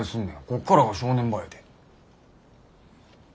こっからが正念場やで。